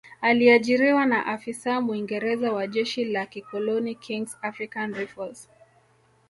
Aliajiriwa na afisa Mwingereza wa jeshi la kikoloni Kings African Rifles